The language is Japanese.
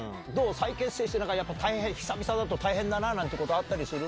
再結成して大変、久々だと大変なだなんてことあったりする？